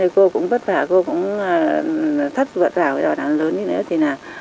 cô cũng bất vả cô cũng thất vật vào cái đoạn nào lớn như thế nào